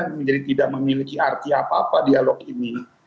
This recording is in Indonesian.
menjadi tidak memiliki arti apa apa dialog ini